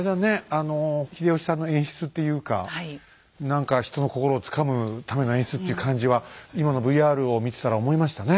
あの秀吉さんの演出っていうか何か人の心をつかむための演出っていう感じは今のＶＲを見てたら思いましたね。